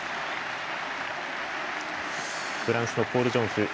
フランスのポール・ジョンフ。